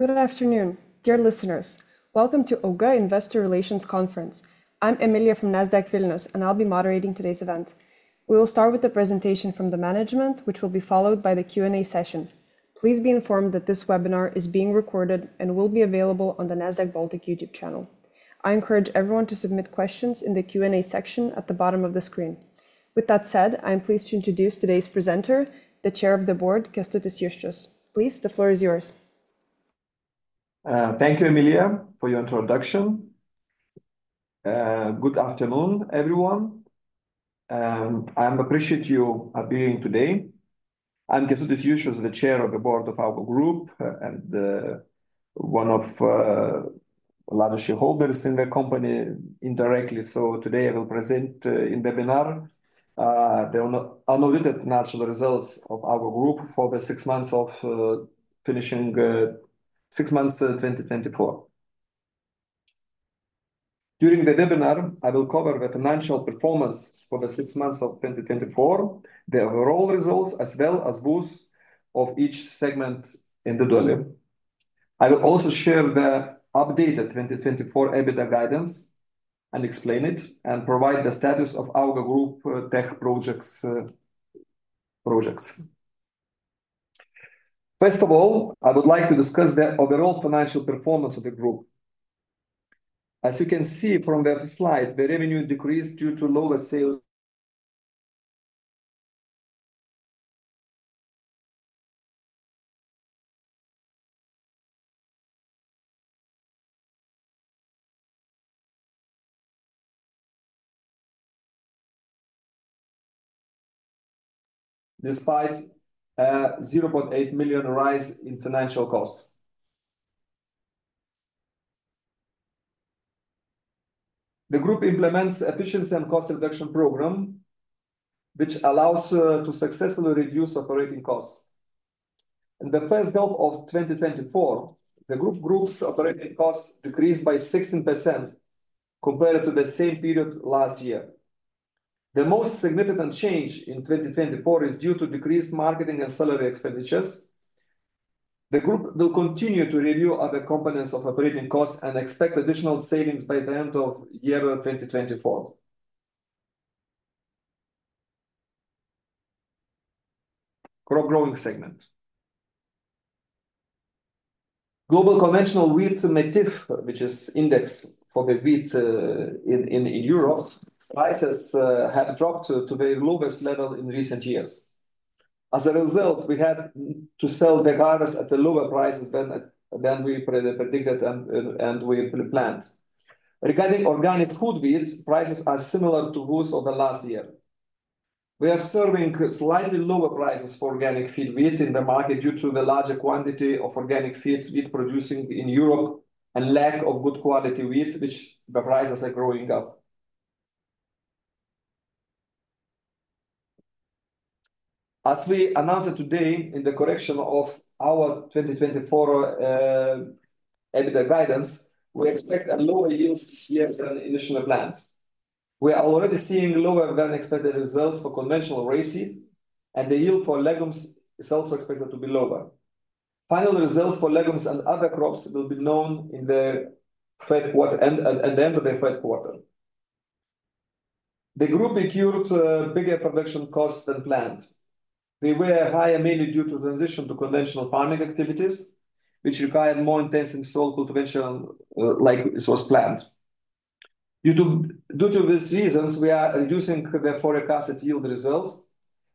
Good afternoon, dear listeners. Welcome to AUGA Investor Relations Conference. I'm Emilia from Nasdaq Vilnius, and I'll be moderating today's event. We will start with the presentation from the management, which will be followed by the Q&A session. Please be informed that this webinar is being recorded and will be available on the Nasdaq Baltic YouTube channel. I encourage everyone to submit questions in the Q&A section at the bottom of the screen. With that said, I'm pleased to introduce today's presenter, the Chair of the Board, Kęstutis Juščiaus. Please, the floor is yours. Thank you, Emilia, for your introduction. Good afternoon, everyone, and I appreciate you appearing today. I'm Kęstutis Juščiaus, the Chair of the Board of AUGA Group, and one of large shareholders in the company indirectly. So today I will present in webinar the unaudited financial results of our group for the six months of 2024. During the webinar, I will cover the financial performance for the six months of 2024, the overall results, as well as those of each segment individually. I will also share the updated 2024 EBITDA guidance and explain it, and provide the status of AUGA Group tech projects. First of all, I would like to discuss the overall financial performance of the group. As you can see from the slide, the revenue decreased due to lower sales. Despite a 0.8 million rise in financial costs. The group implements efficiency and cost reduction program, which allows to successfully reduce operating costs. In the first half of 2024, the group's operating costs decreased by 16% compared to the same period last year. The most significant change in 2024 is due to decreased marketing and salary expenditures. The group will continue to review other components of operating costs and expect additional savings by the end of 2024. Crop growing segment. Global conventional Wheat MATIF, which is index for the wheat in Europe prices have dropped to the lowest level in recent years. As a result, we had to sell the harvest at the lower prices than we predicted and we planned. Regarding organic food wheat, prices are similar to those of the last year. We are observing slightly lower prices for organic feed wheat in the market, due to the larger quantity of organic feed wheat producing in Europe and lack of good quality wheat, which the prices are going up. As we announced today in the correction of our 2024 EBITDA guidance, we expect a lower yields this year than initially planned. We are already seeing lower-than-expected results for conventional reseed, and the yield for legumes is also expected to be lower. Final results for legumes and other crops will be known in the Q3. At the end of the Q3. The group incurred bigger production costs than planned. They were higher mainly due to transition to conventional farming activities, which required more intensive soil cultivation, like subsoilers. Due to these reasons, we are reducing the forecasted yield results,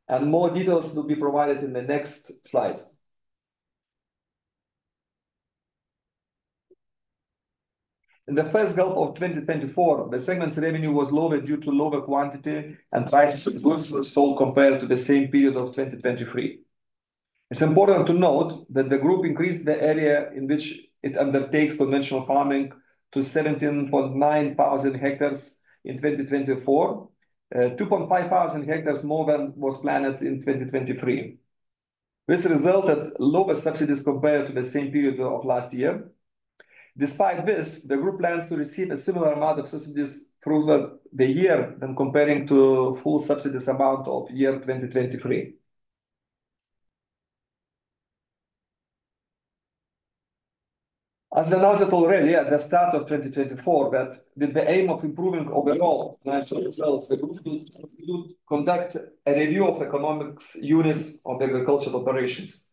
and more details will be provided in the next slides. In the first half of 2024, the segment's revenue was lower due to lower quantity and prices of goods sold compared to the same period of 2023. It's important to note that the group increased the area in which it undertakes conventional farming to 17.9 thousand hectares in 2024, 2.5 thousand hectares more than was planted in 2023, which resulted lower subsidies compared to the same period of last year. Despite this, the group plans to receive a similar amount of subsidies through the year when comparing to full subsidies amount of year 2023. As announced already at the start of 2024, that with the aim of improving overall financial results, the group will conduct a review of economic units of the agricultural operations.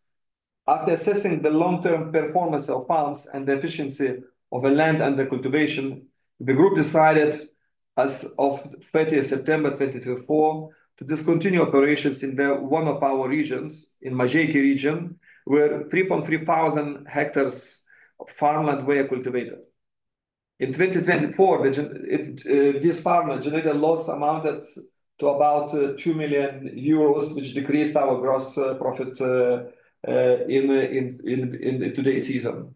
After assessing the long-term performance of farms and the efficiency of the land under cultivation, the group decided, as of thirtieth September 2024, to discontinue operations in one of our regions, in Mažeikiai region, where 3.3 thousand hectares of farmland were cultivated. In 2024, this farmland generated a loss amounted to about 2 million euros, which decreased our gross profit in this season.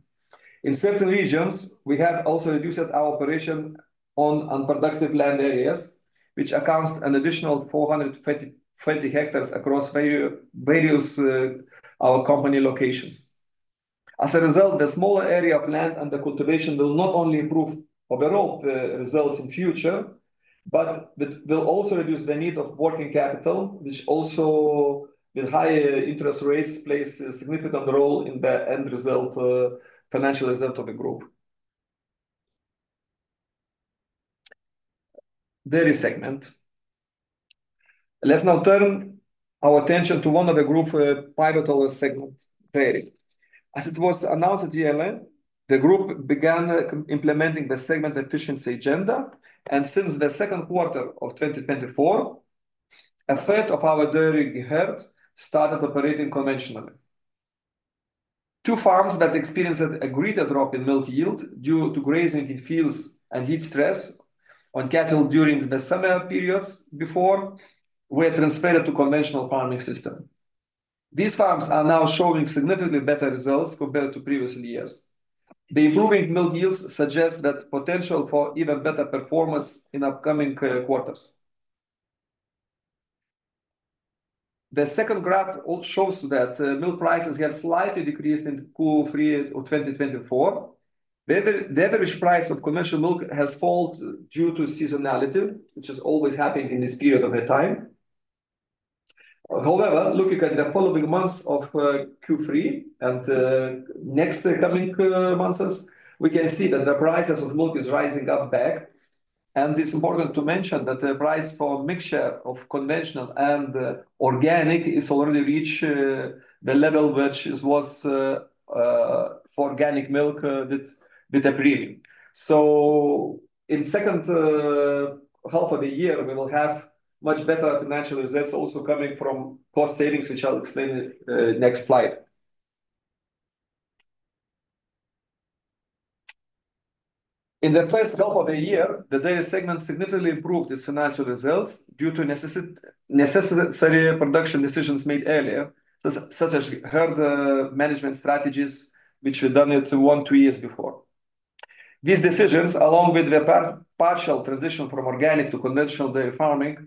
In certain regions, we have also reduced our operation on unproductive land areas, which accounts for an additional 420 hectares across various our company locations. As a result, the smaller area of land under cultivation will not only improve overall results in future but that will also reduce the need of working capital, which also, with high interest rates, plays a significant role in the end result, financial result of the group. Dairy segment. Let's now turn our attention to one of the group, pivotal segments, dairy. As it was announced at the end, the group began implementing the segment efficiency agenda, and since the Q2 of 2024, a third of our dairy herd started operating conventionally. Two farms that experienced a greater drop in milk yield due to grazing in fields and heat stress on cattle during the summer periods before were transferred to conventional farming system. These farms are now showing significantly better results compared to previous years. The improving milk yields suggest that potential for even better performance in upcoming quarters. The second graph also shows that milk prices have slightly decreased in Q3 of 2024. The average price of conventional milk has fallen due to seasonality, which is always happening in this period of the time. However, looking at the following months of Q3 and next coming months, we can see that the prices of milk is rising up back. It's important to mention that the price for mixture of conventional and organic is already reach the level which is was for organic milk with a premium. In second half of the year, we will have much better financial results also coming from cost savings, which I'll explain next slide. In the first half of the year, the dairy segment significantly improved its financial results due to necessary production decisions made earlier, such as herd management strategies, which we done it one, two years before. These decisions, along with the partial transition from organic to conventional dairy farming,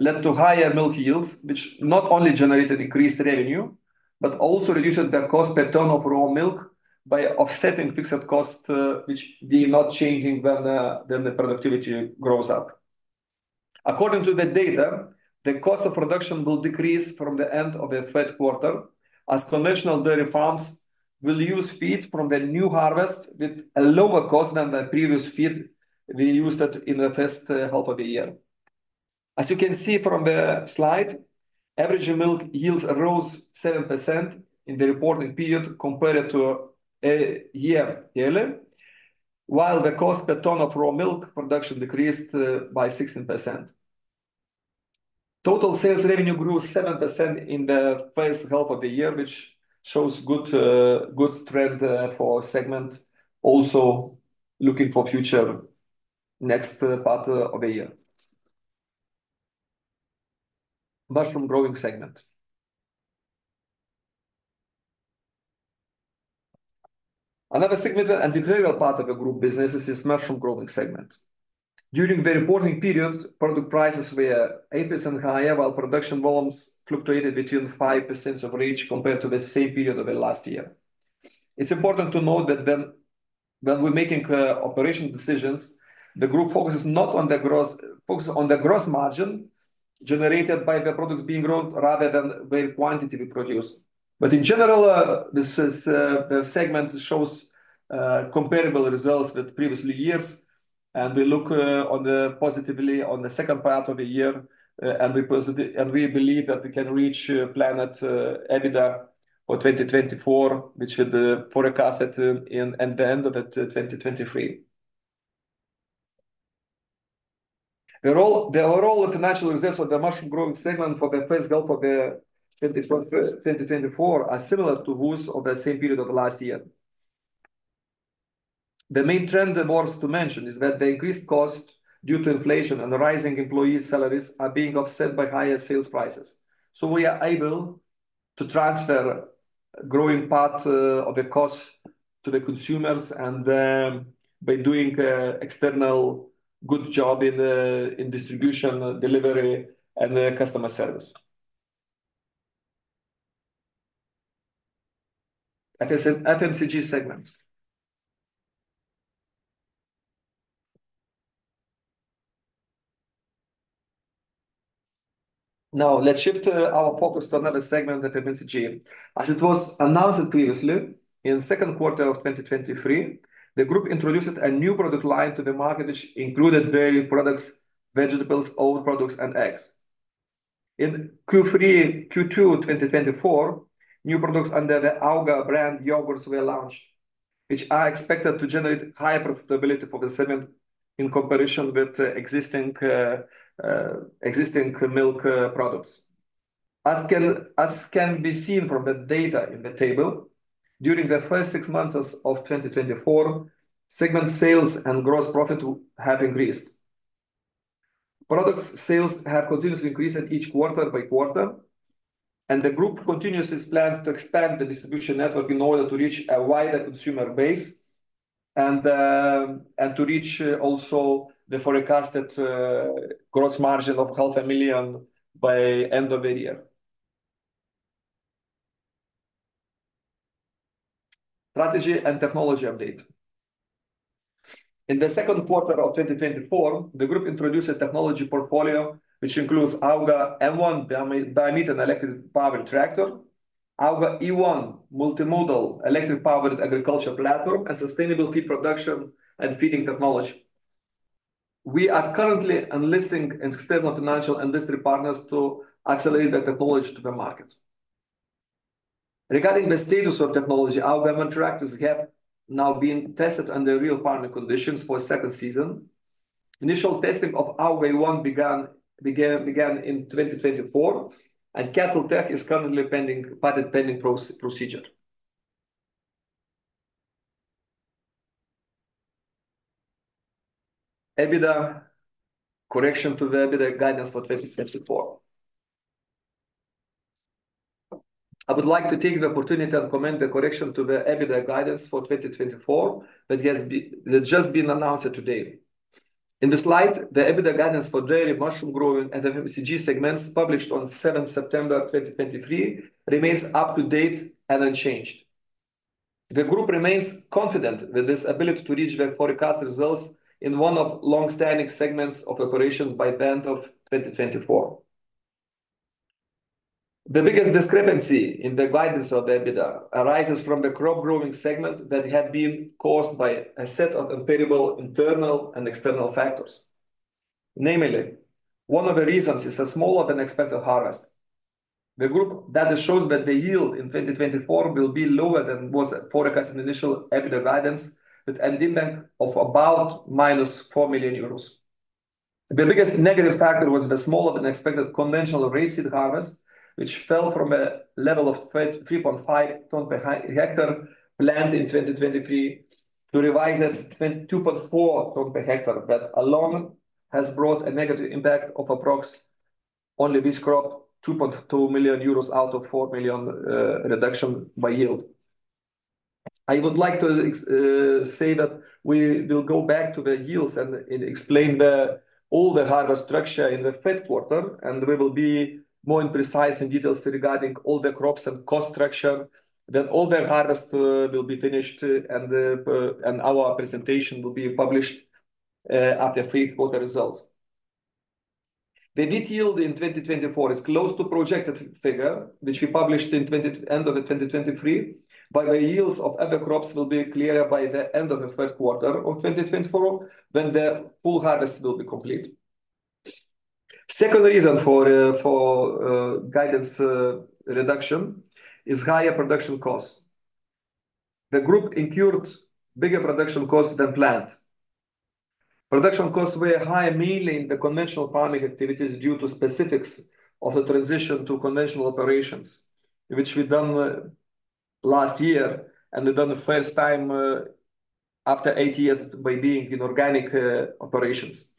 led to higher milk yields, which not only generated increased revenue, but also reduced the cost per ton of raw milk by offsetting fixed costs, which they're not changing when the productivity goes up. According to the data, the cost of production will decrease from the end of the Q3, as conventional dairy farms will use feed from the new harvest with a lower cost than the previous feed we used it in the first half of the year. As you can see from the slide, average milk yields rose 7% in the reporting period compared to a year earlier, while the cost per ton of raw milk production decreased by 16%. Total sales revenue grew 7% in the first half of the year, which shows good, good trend for segment, also looking for future next part of the year. Mushroom growing segment. Another significant and integral part of the group business is its mushroom growing segment. During the reporting period, product prices were 8% higher, while production volumes fluctuated between 5% of each compared to the same period of the last year. It's important to note that when we're making operation decisions, the group focuses on the gross margin generated by the products being grown, rather than the quantity we produce. But in general, this is the segment shows comparable results with previous years, and we look positively on the second part of the year, and we believe that we can reach planned EBITDA for 2024, which was forecasted in at the end of 2023. The overall financial results of the mushroom growing segment for the first half of 2024 are similar to those of the same period of last year. The main trend that's worth to mention is that the increased cost due to inflation and rising employee salaries are being offset by higher sales prices. So we are able to transfer growing part of the cost to the consumers, and by doing an excellent job in distribution, delivery, and customer service. FMCG segment. Now, let's shift our focus to another segment, the FMCG. As it was announced previously, in the Q2 of 2023, the group introduced a new product line to the market, which included dairy products, vegetables, own products, and eggs. In Q2 2024, new products under the AUGA brand yogurts were launched, which are expected to generate high profitability for the segment in comparison with existing milk products. As can be seen from the data in the table, during the first six months of 2024, segment sales and gross profit have increased. Product sales have continuously increased in each quarter by quarter, and the group continues its plans to expand the distribution network in order to reach a wider consumer base, and to reach also the forecasted gross margin of 500,000 by end of the year. Strategy and technology update. In the Q2 of 2024, the group introduced a technology portfolio, which includes AUGA M1 biomethane-electric-powered tractor, AUGA E1 multimodal electric-powered agriculture platform, and sustainable feed production and feeding technology. We are currently enlisting external financial industry partners to accelerate the technology to the market. Regarding the status of technology, AUGA tractors have now been tested under real farming conditions for a second season. Initial testing of AUGA E-One began in 2024, and Cattle Tech is currently patent-pending procedure. EBITDA. Correction to the EBITDA guidance for 2024. I would like to take the opportunity and comment on the correction to the EBITDA guidance for 2024 that has just been announced today. In the slide, the EBITDA guidance for dairy, mushroom growing, and the FMCG segments published on seventh September 2023 remains up to date and unchanged. The group remains confident with its ability to reach the forecast results in one of long-standing segments of operations by the end of 2024. The biggest discrepancy in the guidance of the EBITDA arises from the crop growing segment that have been caused by a set of unbearable internal and external factors. Namely, one of the reasons is a smaller-than-expected harvest. The group data shows that the yield in 2024 will be lower than was forecasted in initial EBITDA guidance, with an impact of about minus 4 million euros. The biggest negative factor was the smaller-than-expected conventional rapeseed harvest, which fell from a level of 3.5 tons per hectare planned in 2023 to revised 22.4 tons per hectare. That alone has brought a negative impact of approx only this crop 2.2 million euros out of 4 million reduction by yield. I would like to say that we will go back to the yields and explain all the harvest structure in the Q3, and we will be more precise and details regarding all the crops and cost structure. All the harvest will be finished, and our presentation will be published after Q3 results. The wheat yield in 2024 is close to projected figure, which we published at the end of 2023, but the yields of other crops will be clearer by the end of the Q3 of 2024, when the full harvest will be complete. Second reason for guidance reduction is higher production cost. The group incurred bigger production costs than planned. Production costs were higher, mainly in the conventional farming activities, due to specifics of the transition to conventional operations, which we've done last year, and we've done the first time after eight years by being in organic operations,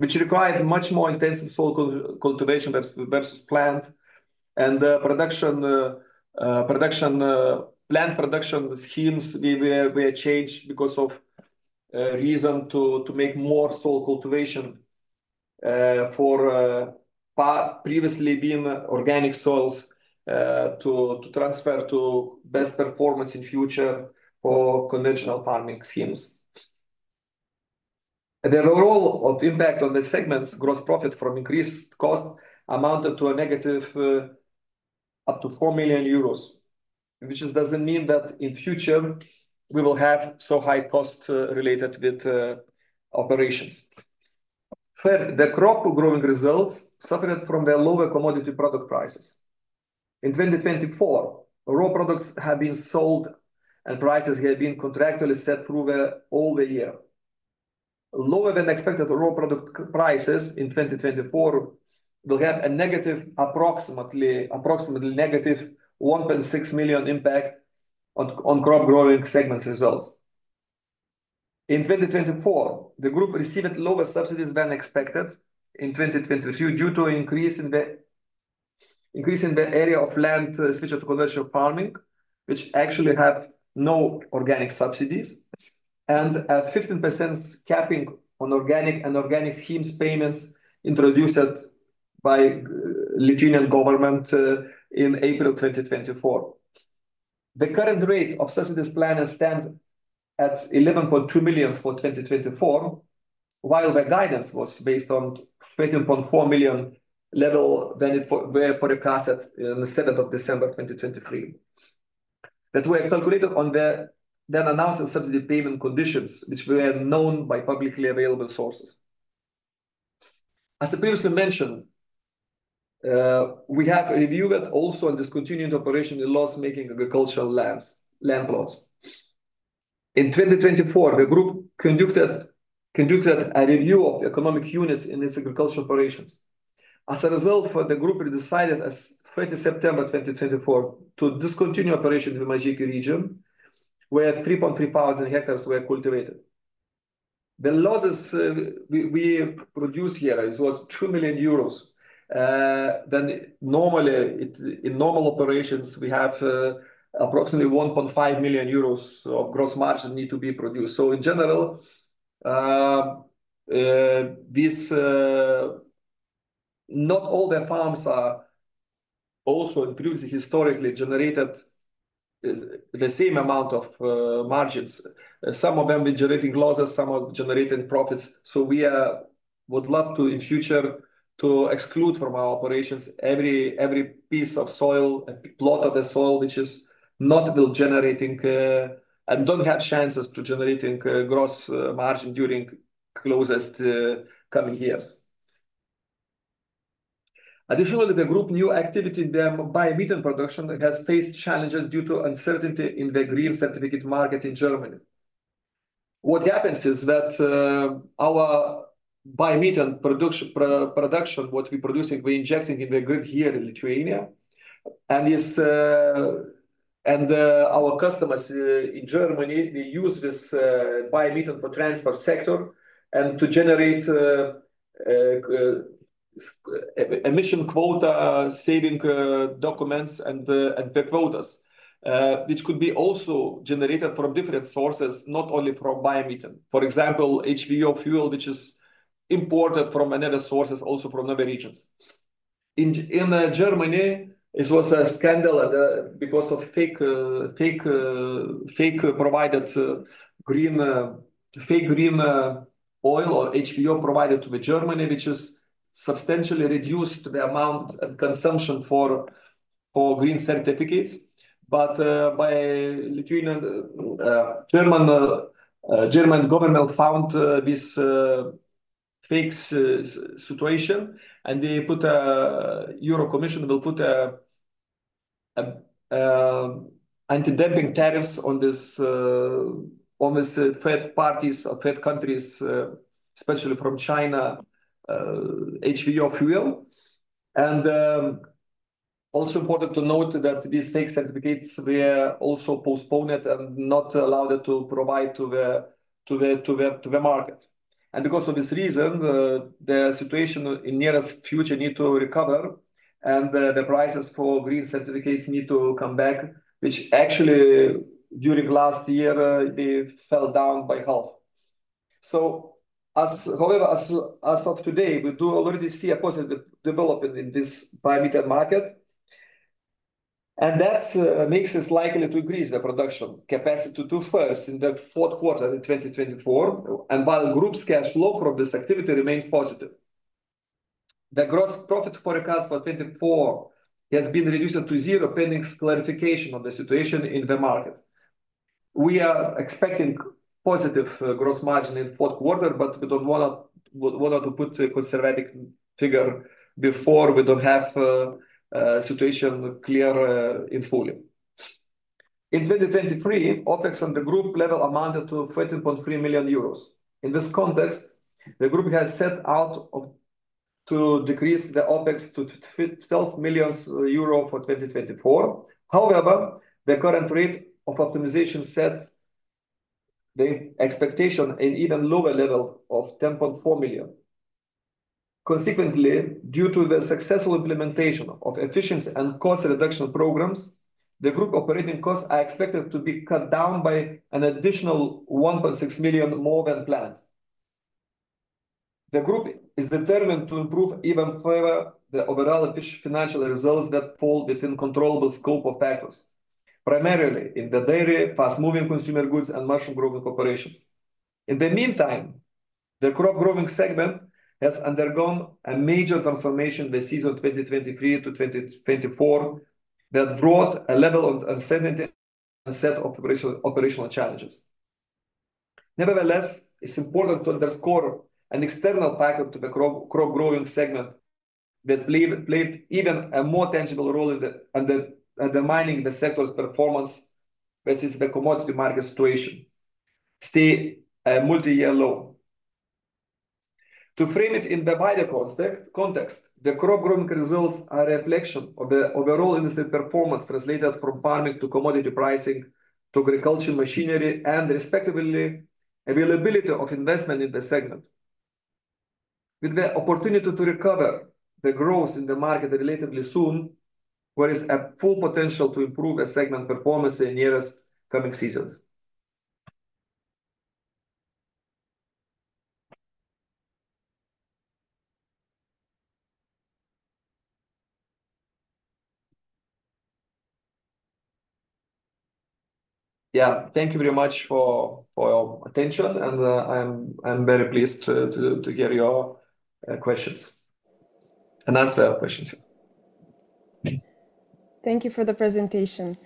which required much more intensive soil cultivation versus planned. The planned production schemes were changed because of reason to make more soil cultivation for previously being organic soils to transfer to best performance in future for conventional farming schemes. The real impact on the segment's gross profit from increased cost amounted to a negative up to 4 million euros, which doesn't mean that in future we will have so high costs related with operations. Third, the crop growing results suffered from the lower commodity product prices. In 2024, raw products have been sold and prices have been contractually set through all the year. Lower than expected raw product prices in 2024 will have a negative approximately negative 1.6 million impact on crop growing segments results. In 2024, the group received lower subsidies than expected in 2022 due to increase in the area of land switch to commercial farming, which actually have no organic subsidies, and a 15% capping on organic schemes payments introduced by Lithuanian government in April 2024. The current rate of subsidies plan stand at 11.2 million for 2024, while the guidance was based on 13.4 million level were forecasted in the seventh of December 2023. That were calculated on the then announced subsidy payment conditions, which were known by publicly available sources. As previously mentioned, we have reviewed it also and discontinued operation in loss-making agricultural lands, land plots. In 2024, the group conducted a review of economic units in its agricultural operations. As a result, the group decided, as of 30 September 2024, to discontinue operations in the Mažeikiai region, where 3.3 thousand hectares were cultivated. The losses we produced here, it was 2 million euros. Then normally, it. In normal operations, we have approximately 1.5 million euros of gross margin need to be produced. So in general, not all the farms are also includes historically generated the same amount of margins. Some of them were generating losses, some are generating profits. So we would love to, in future, to exclude from our operations every piece of soil, a plot of the soil, which is not will generating and don't have chances to generating gross margin during closest coming years. Additionally, the group new activity in the biomethane production has faced challenges due to uncertainty in the green certificate market in Germany. What happens is that our biomethane production, what we're producing, we're injecting in the grid here in Lithuania. And our customers in Germany, they use this biomethane for transport sector and to generate emission quota saving documents and the quotas, which could be also generated from different sources, not only from biomethane. For example, HVO fuel, which is imported from another sources, also from other regions. In Germany, it was a scandal because of fake provided green oil or HVO provided to Germany, which has substantially reduced the amount of consumption for green certificates. But the Lithuanian and German government found this fake situation, and they put. European Commission will put an anti-dumping tariffs on this third parties or third countries, especially from China, HVO fuel. And also important to note that these fake certificates were also postponed and not allowed to provide to the market. And because of this reason, the situation in nearest future need to recover, and the prices for green certificates need to come back, which actually, during last year, they fell down by half. So as... However, as of today, we do already see a positive development in this biomethane market, and that's makes us likely to increase the production capacity to first in the Q4 in 2024, and while group's cash flow from this activity remains positive. The gross profit forecast for 2024 has been reduced to zero, pending clarification of the situation in the market. We are expecting positive gross margin in Q4, but we don't wanna wanna to put a conservative figure before we don't have situation clear in fully. In 2023, OPEX on the group level amounted to 30.3 million euros. In this context, the group has set out of to decrease the OPEX to 12 million euro for 2024. However, the current rate of optimization sets the expectation an even lower level of 10.4 million. Consequently, due to the successful implementation of efficiency and cost reduction programs, the group operating costs are expected to be cut down by an additional 1.6 million more than planned. The group is determined to improve even further the overall financial results that fall between controllable scope of factors, primarily in the dairy, fast-moving consumer goods, and mushroom growing operations. In the meantime, the crop growing segment has undergone a major transformation the season 2023 to 2024, that brought a level of uncertainty and a set of operational challenges. Nevertheless, it's important to underscore an external factor to the crop growing segment that played even a more tangible role in the... Undermining the sector's performance, which is the commodity market situation staying at a multi-year low. To frame it in the wider context, the crop growing results are a reflection of the overall industry performance, translated from farming to commodity pricing, to agriculture machinery, and respectively, availability of investment in the segment. With the opportunity to recover the growth in the market relatively soon, there is a full potential to improve the segment performance in nearest coming seasons. Yeah, thank you very much for your attention, and I'm very pleased to hear your questions and answer your questions. Thank you for the presentation.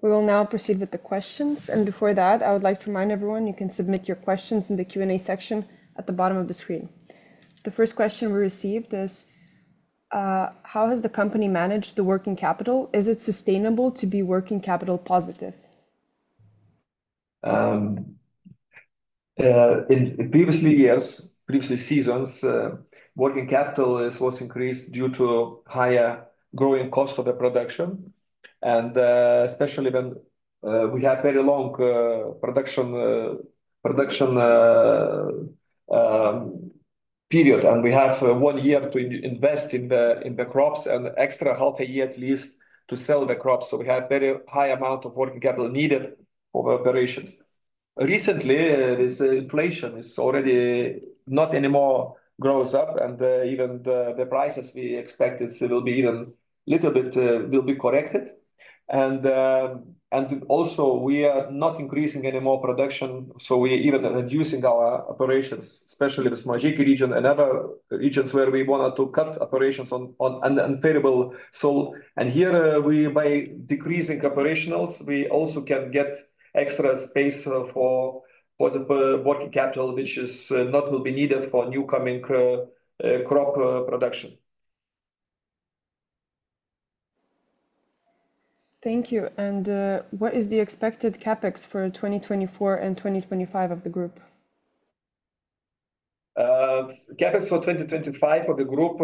We will now proceed with the questions, and before that, I would like to remind everyone you can submit your questions in the Q&A section at the bottom of the screen. The first question we received is: How has the company managed the working capital? Is it sustainable to be working capital positive? In previous years, previous seasons, working capital was increased due to higher growing cost of the production, and especially when we have very long production period. And we have one year to invest in the crops, and extra half a year at least to sell the crops. So we have very high amount of working capital needed for the operations... Recently, this inflation is already not anymore grows up, and even the prices we expected will be even little bit corrected. And also we are not increasing any more production, so we are even reducing our operations, especially the Mažeikiai region and other regions where we wanted to cut operations on unfavorable. So, and here, we by decreasing operationals, we also can get extra space for the working capital, which is not will be needed for new coming crop production. Thank you. What is the expected CapEx for 2024 and 2025 of the group? CapEx for 2025 of the group,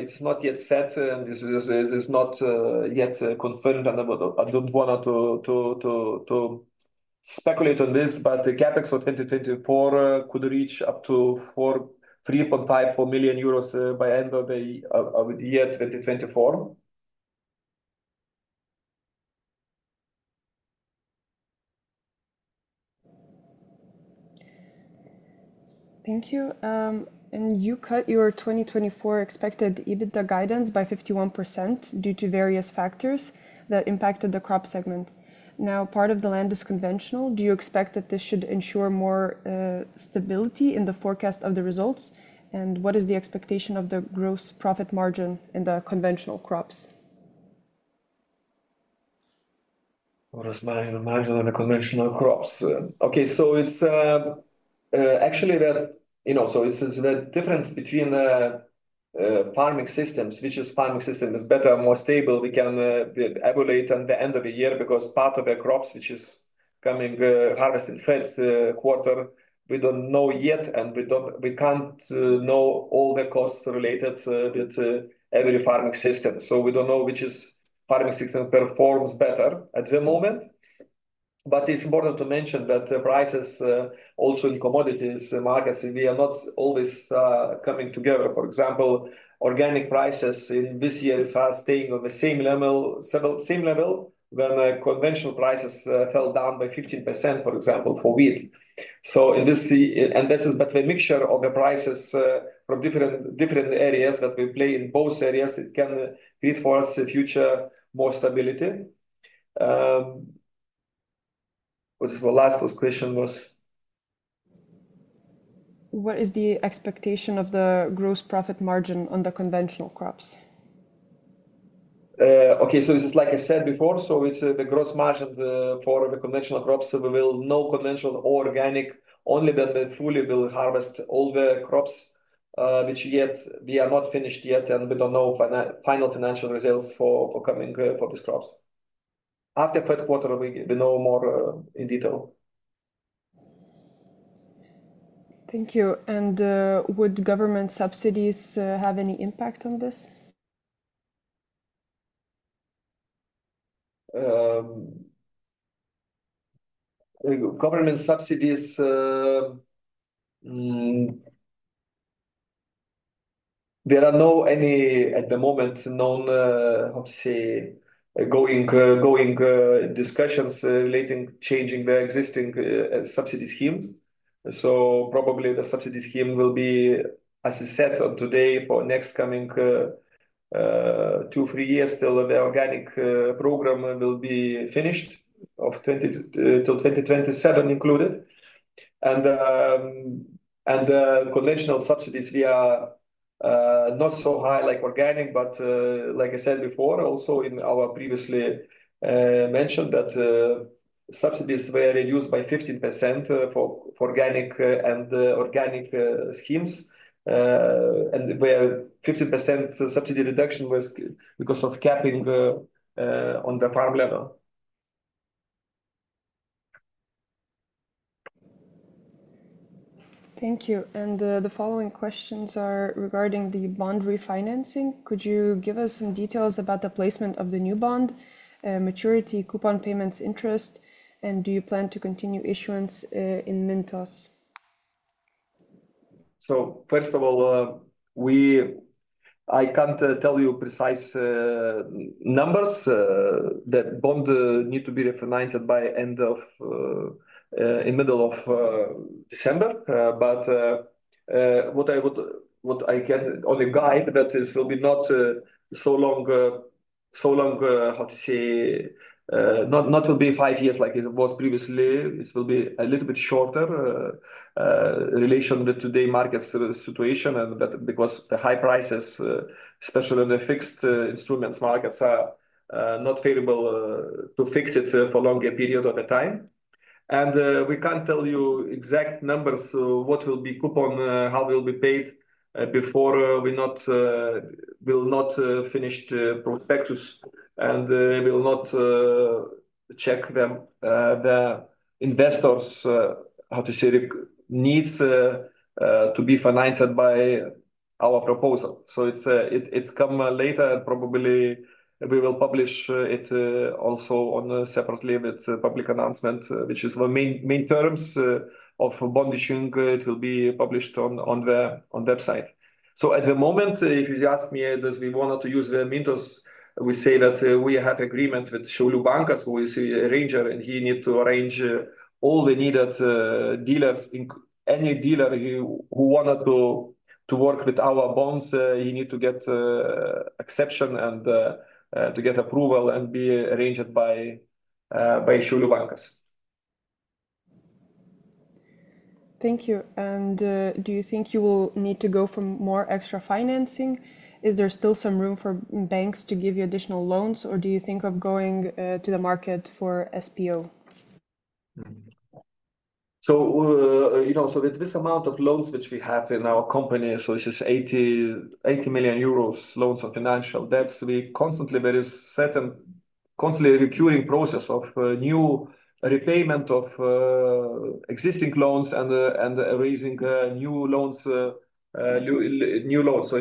it's not yet set, and this is not yet confirmed, and I don't want to speculate on this. But the CapEx for 2024 could reach up to 3.5-4 million euros by end of the year 2024. Thank you. And you cut your 2024 expected EBITDA guidance by 51% due to various factors that impacted the crop segment. Now, part of the land is conventional. Do you expect that this should ensure more stability in the forecast of the results? And what is the expectation of the gross profit margin in the conventional crops? What is my margin on the conventional crops? Okay, so it's actually the... You know, so it's the difference between farming systems, which farming system is better, more stable, we can evaluate at the end of the year, because part of the crops which is coming harvest in Q1, we don't know yet, and we can't know all the costs related with every farming system. So we don't know which farming system performs better at the moment. But it's important to mention that the prices also in commodities markets, they are not always coming together. For example, organic prices in this year are staying on the same level, when the conventional prices fell down by 15%, for example, for wheat. So in this and this is but a mixture of the prices from different areas that we play in both areas. It can lead for us a future, more stability. What is the last question was? What is the expectation of the gross profit margin on the conventional crops? Okay. So this is like I said before, so it's the gross margin for the conventional crops. So we will know conventional or organic only when we fully will harvest all the crops, which yet we are not finished yet, and we don't know final financial results for coming for these crops. After Q3, we know more in detail. Thank you. And would government subsidies have any impact on this? Government subsidies, there are no any at the moment known ongoing discussions relating changing the existing subsidies schemes. So probably the subsidies scheme will be as it's set on today for next coming two, three years, till the organic program will be finished of twenty till twenty twenty-seven included. And conventional subsidies, they are not so high like organic, but like I said before, also in our previously mentioned that subsidies were reduced by 15% for organic and organic schemes. And where 15% subsidy reduction was because of capping on the farm level. Thank you. The following questions are regarding the bond refinancing. Could you give us some details about the placement of the new bond, maturity, coupon payments, interest, and do you plan to continue issuance in Mintos? So first of all, we... I can't tell you precise numbers. That bond need to be refinanced by end of, in middle of, December. But, what I would-- what I can only guide, that this will be not so long, how to say? Not, not will be five years like it was previously. This will be a little bit shorter, in relation with today's market's situation, and that because the high prices, especially in the fixed, instruments markets, are not favorable, to fix it for longer period of the time. And we can't tell you exact numbers, so what will be coupon, how will be paid, before we will not finish the prospectus, and we will not check the investors' needs to be financed by our proposal. So it come later, and probably we will publish it also on a separately with public announcement, which is the main terms of bond issuing. It will be published on the website. So at the moment, if you ask me, does we wanna to use the Mintos, we say that we have agreement with Šiaulių bankas, who is arranger, and he need to arrange all the needed dealers, inc- any dealer who who wanna to-... to work with our bonds, you need to get exception and to get approval and be arranged by Šiaulių bankas. Thank you. And, do you think you will need to go for more extra financing? Is there still some room for banks to give you additional loans, or do you think of going, to the market for SPO? You know, with this amount of loans which we have in our company, it's just 80 million euros loans of financial debts. We constantly, there is certain constantly recurring process of new repayment of existing loans and raising new loans. It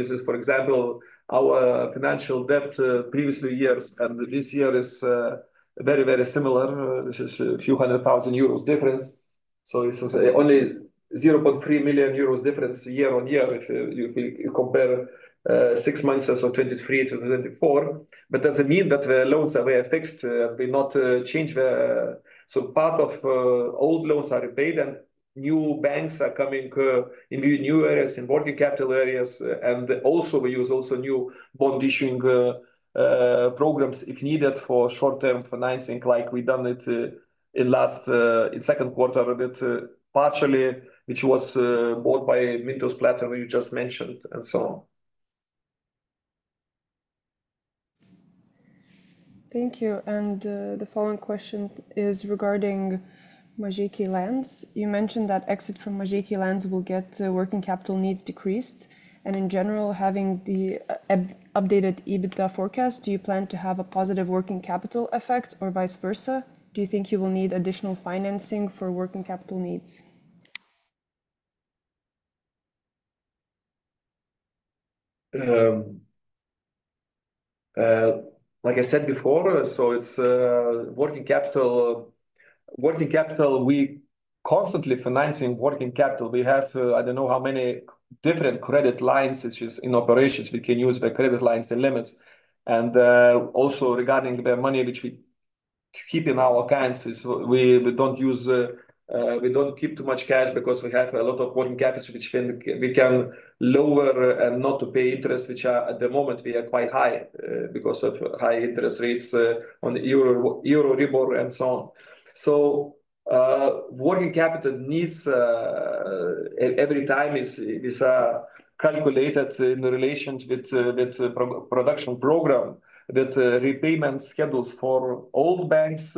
is, for example, our financial debt previous years and this year is very, very similar. This is a few hundred thousand euros difference. This is only 0.3 million euros difference year on year if you compare six months of 2023 to 2024. But it doesn't mean that the loans are very fixed. They not change the. Part of old loans are repaid and new banks are coming in the new areas, in working capital areas. And also, we use also new bond issuing programs if needed for short-term financing, like we done it in Q2 a bit partially, which was bought by Mintos platform you just mentioned, and so on. Thank you. And, the following question is regarding Mažeikiai lands. You mentioned that exit from Mažeikiai lands will get working capital needs decreased. And in general, having the updated EBITDA forecast, do you plan to have a positive working capital effect or vice versa? Do you think you will need additional financing for working capital needs? Like I said before, so it's working capital, we constantly financing working capital. We have I don't know how many different credit lines which is in operations. We can use the credit lines and limits. And also regarding the money which we keep in our accounts, we don't keep too much cash because we have a lot of working capital which we can lower and not to pay interest, which are at the moment quite high because of high interest rates on the euro Euribor, and so on. Working capital needs every time is calculated in relations with production program, that repayment schedules for old banks'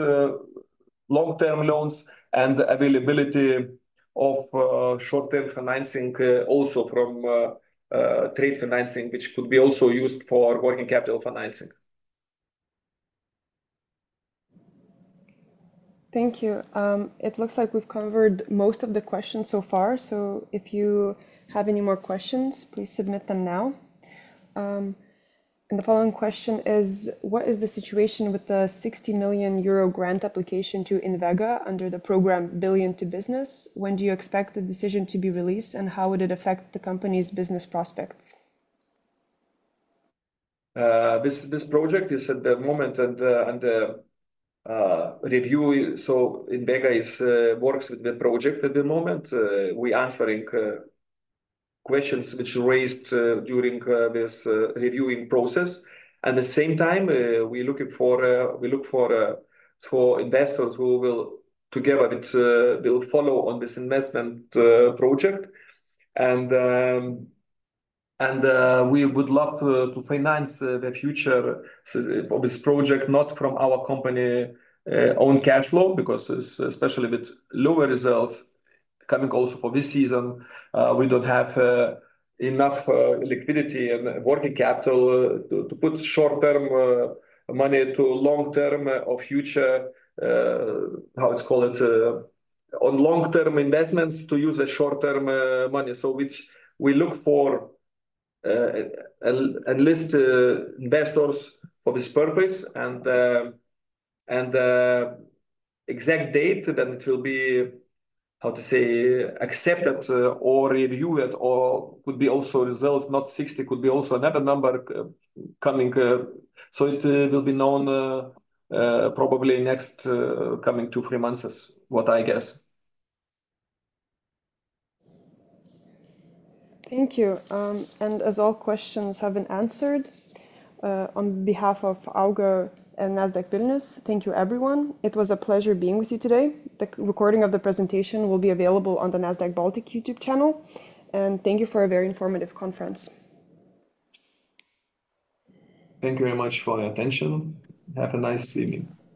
long-term loans and availability of short-term financing, also from trade financing, which could be also used for working capital financing. Thank you. It looks like we've covered most of the questions so far, so if you have any more questions, please submit them now, and the following question is: What is the situation with the 60 million euro grant application to INVEGA under the program Billion to Business? When do you expect the decision to be released, and how would it affect the company's business prospects? This project is at the moment under review, so INVEGA is works with the project at the moment. We're answering questions which raised during this reviewing process. At the same time, we're looking for investors who will together with they will follow on this investment project, and we would love to finance the future of this project, not from our company own cash flow, because especially with lower results coming also for this season, we don't have enough liquidity and working capital to put short-term money to long-term or future how it's called on long-term investments, to use a short-term money, so which we look for and list investors for this purpose. Exact date that it will be, how to say, accepted or reviewed or could be also results, not sixty, could be also another number coming. It will be known, probably next coming two, three months is what I guess. Thank you, and as all questions have been answered, on behalf of AUGA and Nasdaq Vilnius, thank you, everyone. It was a pleasure being with you today. The recording of the presentation will be available on the Nasdaq Baltic YouTube channel, and thank you for a very informative conference. Thank you very much for the attention. Have a nice evening.